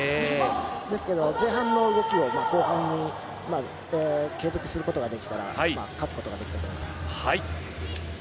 ですけど、前半の動きを後半に継続することができたら勝つことができたと思います。